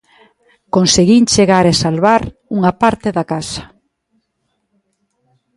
Conseguín chegar e salvar unha parte da casa.